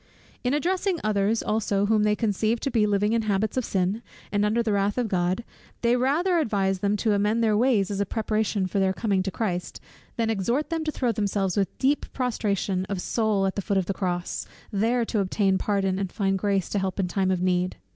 In addressing others also whom they conceive to be living in habits of sin, and under the wrath of God, they rather advise them to amend their ways as a preparation for their coming to Christ, than exhort them to throw themselves with deep prostration of soul at the foot of the cross, there to obtain pardon and find grace to help in time of need.